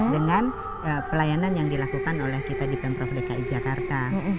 dengan pelayanan yang dilakukan oleh kita di pemprov dki jakarta